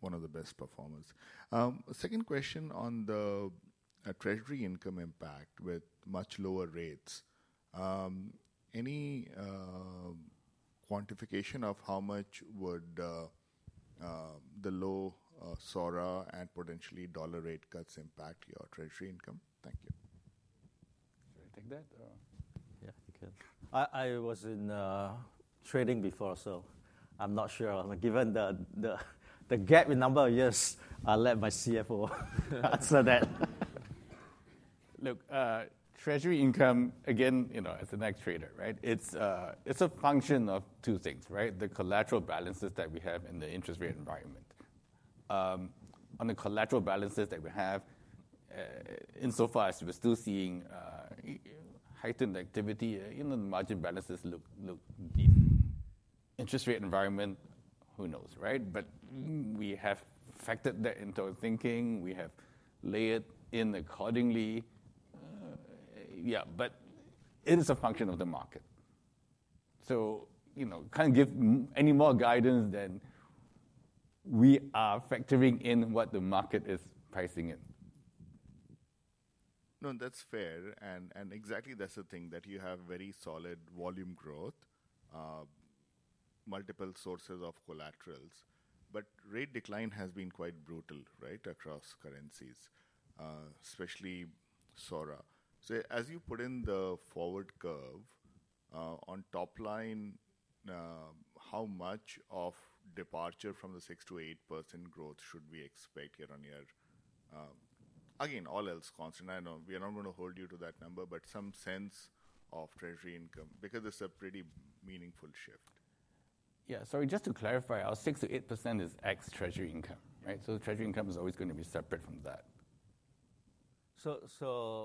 one of the best performers. Second question on the treasury income impact with much lower rates, any quantification of how much would the low SORA and potentially dollar rate cuts impact your treasury income? Thank you. Should I take that? Yeah, you can. I was in trading before, so I'm not sure given the gap in number of years. I'll let my CFO answer that. Look, treasury income, again as an active trader, right? It's a function of two things, right? The collateral balances that we have and the interest rate environment. On the collateral balances that we have, insofar as we're still seeing heightened activity, margin balances, the interest rate environment, who knows, right? We have factored that into our thinking, we have layered in accordingly. It is a function of the market. Can't give any more guidance than we are factoring in what the market is pricing in. No, that's fair and exactly that's the thing that you have very solid volume growth, multiple sources of collaterals, but rate decline has been quite brutal across currencies, especially SORA. As you put in the forward curve on top line, how much of departure from the 6%-8% growth should we expect year-on-year, again all else constant. I know we are not going to hold you to that number, but some sense of treasury income because it's a pretty meaningful shift. Sorry, just to clarify, our 6%-8% is ex-treasury income, right? Ex-treasury income is always going to be separate from that.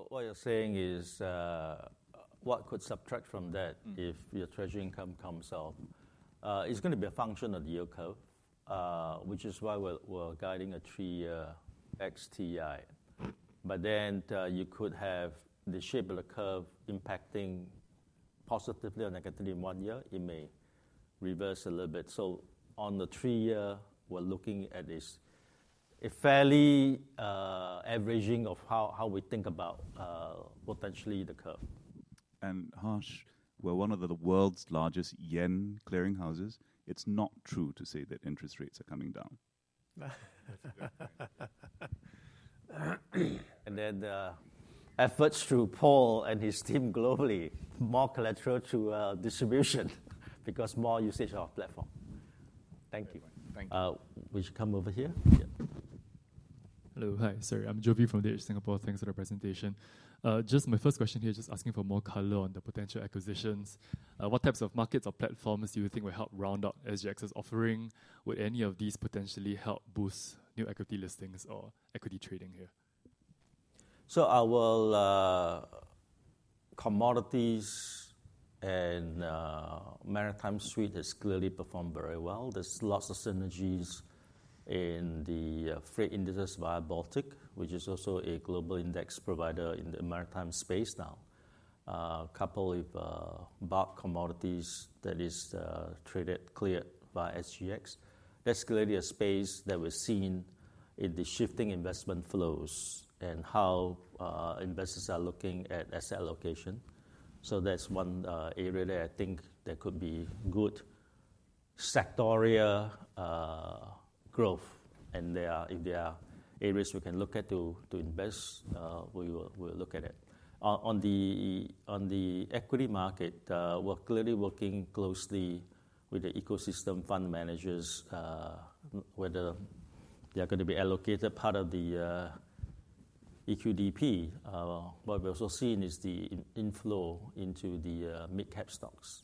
What you're saying is what could subtract from that if your treasury income comes up, it's going to be a function of the yield curve, which is why we're guiding a three year XTI. You could have the shape of the curve impacting positively or negatively; in one year it may reverse a little bit. On the three year, we're looking at this as fairly averaging of how we think about potentially the curve. And Harsh, we're one of the world's largest yen clearing houses. It's not true to say that interest rates are coming down. Efforts through Paul and his team globally bring more collateral to distribution because more usage of our platform. Thank you. We should come over here. Hello. Hi, sorry, I'm Jovi from DBS Singapore. Thanks for the presentation. Just my first question here, just asking for more color on the potential acquisition. What types of markets or platforms do you think will help round out SGX's offering? Will any of these potentially help boost new equity listings or equity trading here? Our commodities and maritime suite has clearly performed very well. There are lots of synergies in the freight index via Baltic, which is also a global index provider in the maritime space. Now, a couple of bulk commodities that is traded, cleared by SGX, that's clearly a space that we've seen in the shifting investment flows and how investors are looking at asset allocation. That's one area that I think there could be good sectorial growth, and if there are areas we can look at to invest, we will look at it. On the equity market, we're clearly working closely with the ecosystem, fund managers, whether they are going to be allocated part of the EQDP. What we've also seen is the inflow into the mid-cap stocks,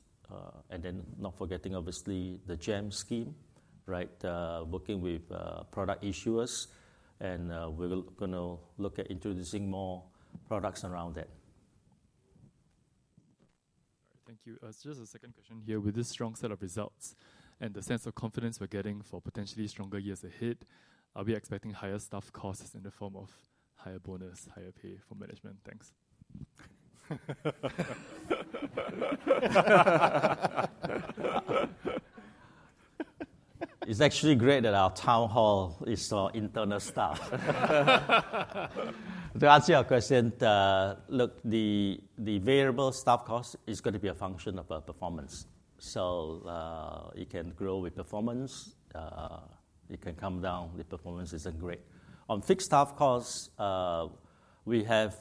and then not forgetting obviously the GEM scheme, working with product issuers, and we're going to look at introducing more products around that. Thank you. Just a second question here. With this strong set of results and the sense of confidence we're getting for potentially stronger years ahead, are we expecting higher staff costs in the form of higher bonus, higher pay for management? Thanks. It's actually great that our town hall is our internal staff to answer your question. Look, the variable staff cost is going to be a function of performance. It can grow with performance, it can come down if the performance isn't great. On fixed staff cost, we have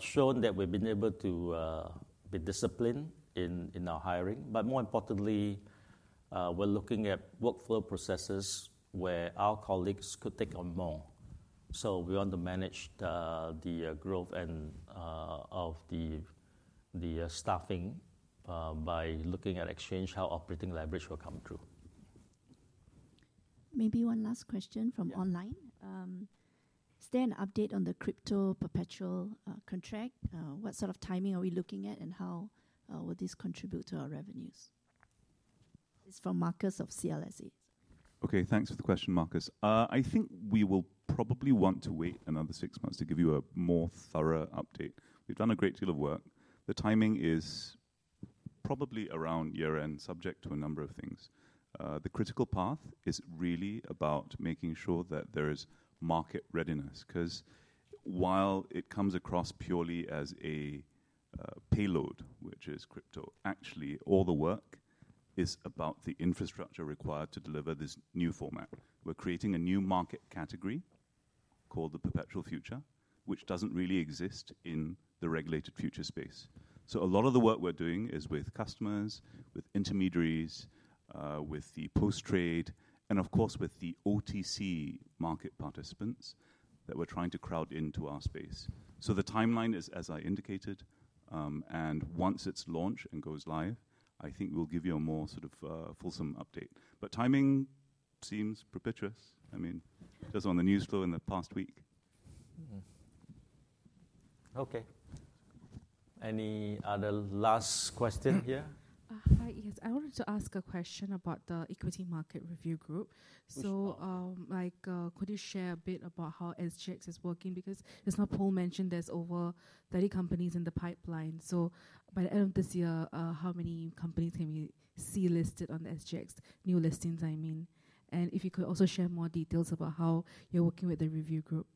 shown that we've been able to be disciplined in our hiring. More importantly, we're looking at workflow processes where our colleagues could take on more. We want to manage the growth of the staffing by looking at how operating leverage will come true. Maybe one last question from online, Stan. Update on the crypto perpetual contract. What sort of timing are we looking at, and how will this contribute to our revenues? It's from Marcus of CLSA. Okay, thanks for the question Marcus. I think we will probably want to wait another six months to give you a more thorough update. We've done a great deal of work. The timing is probably around year end, subject to a number of things. The critical path is really about making sure that there is market readiness because while it comes across purely as a payload, which is crypto, actually all the work is about the infrastructure required to deliver this new format. We're creating a new market category called the perpetual future, which doesn't really exist in the regulated futures space. A lot of the work we're doing is with customers, with intermediaries, with the post trade, and of course with the OTC market participants that we're trying to crowd into our space. The timeline is as I indicated and once it's launched and goes live, I think we'll give you a more sort of fulsome update. Timing seems propitious. I mean that's on the news flow in the past week. Okay, any other last question here? Yes, I wanted to ask a question about the MAS Equity Market Review Group. Could you share a bit about how SGX is working? Because it's not Paul mentioned there's over 30 companies in the pipeline. By the end of this year, how many companies can we see listed on the SGX new listings? If you could also share more details about how you're working with the review group.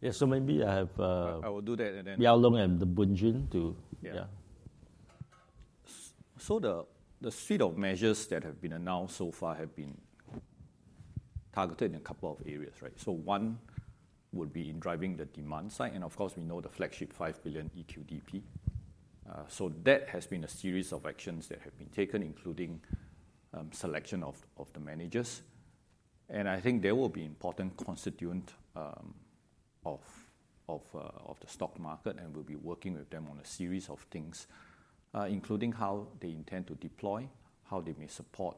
Yeah, maybe I have. I'll do that at the end. I'll look at the [Bunjin] too. The suite of measures that have been announced so far have been targeted in a couple of areas. One would be in driving the demand side and of course we know the flagship $5 billion EQDP. That has been a series of actions that have been taken including selection of the managers and I think they will be important constituent of the stock market and we'll be working with them on a series of things including how they intend to deploy, how they may support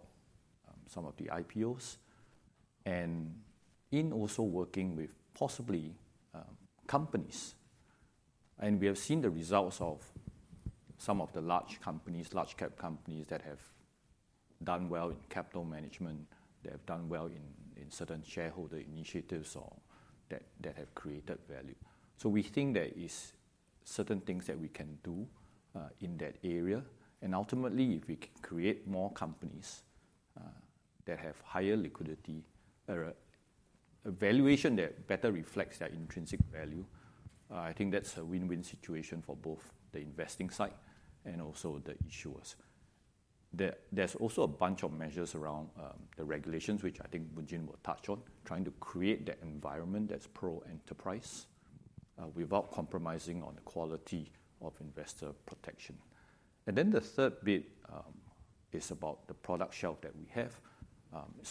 some of the IPOs and in also working with possibly companies. We have seen the results of some of the large companies, large cap companies that have done well in capital management, that have done well in certain shareholder initiatives that have created value. We think there are certain things that we can do in that area and ultimately if we create more companies that have higher liquidity, a valuation that better reflects their intrinsic value, I think that's a win-win situation for both the investing side and also the issuers. There is also a bunch of measures around the regulations which I think [Bujin] will touch on, trying to create that environment that's pro-enterprise without compromising on the quality of investor protection. The third bit is about the product shelf that we have.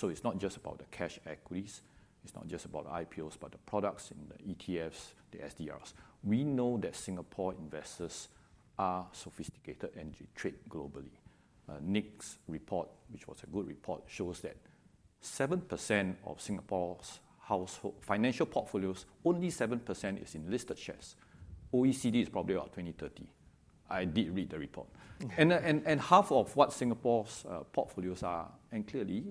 It's not just about the cash equities, it's not just about IPOs but the products and the ETFs, the SDRs. We know that Singapore investors are sophisticated and they trade globally. Nick's report, which was a good report, shows that 7% of Singapore's household financial portfolios, only 7% is in listed shares. OECD is probably about 20%, 30%. I did read the report and half of what Singapore's portfolios are and clearly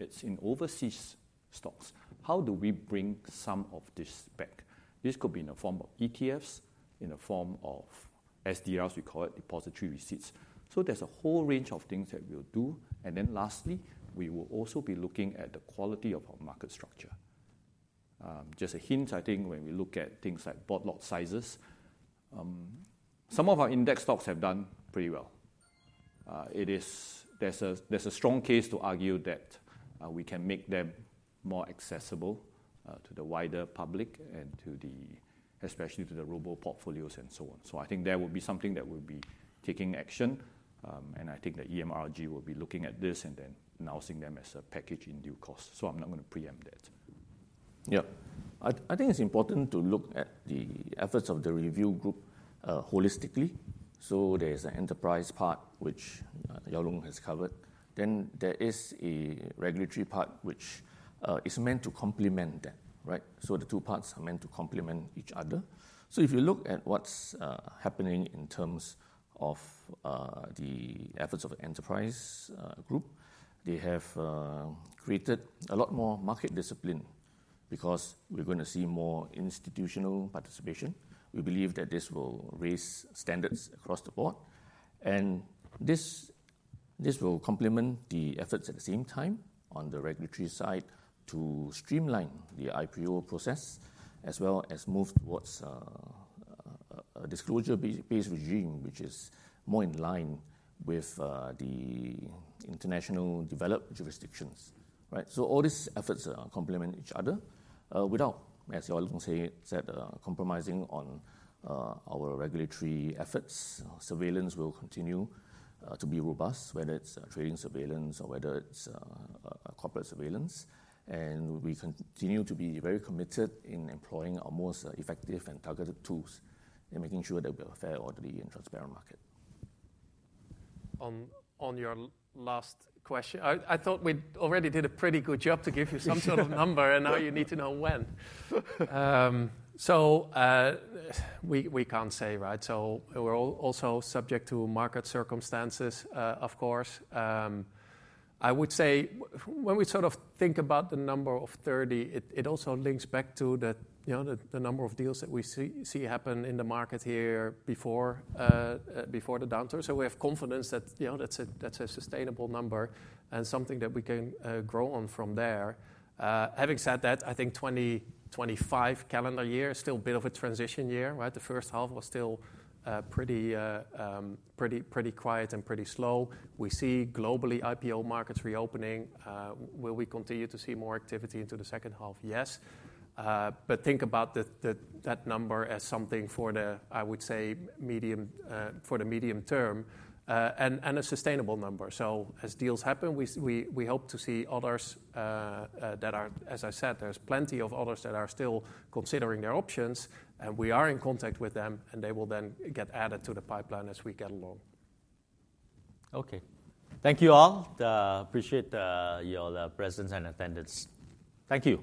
it's in overseas stocks. How do we bring some of this back? This could be in the form of ETFs, in the form of SDRs. We call it depository receipts. There's a whole range of things that we'll do. Lastly, we will also be looking at the quality of our market structure. Just a hint, I think when we look at things like board lot sizes, some of our index stocks have done pretty well. There's a strong case to argue that we can make them more accessible to the wider public and especially to the robo portfolios and so on. I think that will be something that will be taking action and I think the EMRG will be looking at this and then announcing them as a package in due course. I'm not going to preempt that. I think it's important to look at the efforts of the review group holistically. There's an enterprise part which Yao Loong has covered, then there is a regulatory part which is meant to complement that. The two parts are meant to complement each other. If you look at what's happening in terms of the efforts of the enterprise group, they have created a lot more market discipline because we're going to see more institutional participation. We believe that this will raise standards across the board, and this will complement the efforts at the same time on the regulatory side to streamline the IPO process as well as move towards a disclosure-based regime, which is more in line with the international developed jurisdictions. All these efforts complement each other without, as she said, compromising on our regulatory efforts. Surveillance will continue to be robust, whether it's trading surveillance or whether it's corporate surveillance. We continue to be very committed in employing our most effective and targeted tools and making sure that we are a fair, orderly, and transparent market. On your last question, I thought we already did a pretty good job to give you some sort of number and now you need to know when. We can't say. We are also subject to market circumstances, of course. I would say when we sort of think about the number of 30, it also links back to the number of deals that we see happen in the market here before the downturn. We have confidence that that's a sustainable number and something that we can grow on from there. Having said that, I think 2025 calendar year is still a bit of a transition year. The first half was still pretty quiet and pretty slow. We see globally IPO markets reopening. Will we continue to see more activity into the second half? Yes, but think about that number as something for the medium-term and a sustainable number. As deals happen, we hope to see others. As I said, there's plenty of others that are still considering their options and we are in contact with them and they will then get added to the pipeline as we get along. Okay, thank you all. Appreciate your presence and attendance. Thank you.